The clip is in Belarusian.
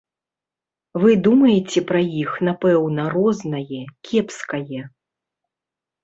Вы думаеце, пра іх, напэўна, рознае, кепскае.